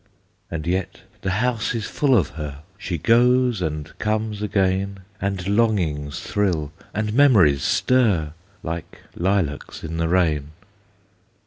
And yet the house is full of her; She goes and comes again; And longings thrill, and memories stir, Like lilacs in the rain.